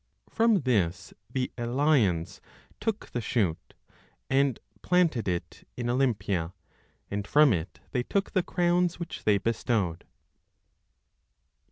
From this the Eleians took the shoot, and planted it in Olympia, and from it they took the crowns which they bestowed.